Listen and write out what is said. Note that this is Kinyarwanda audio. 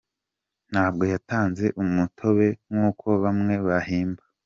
Ntabwo yatanze umutobe nkuko bamwe bahimba.